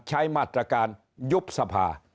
ใช้มาตรการยุบสภา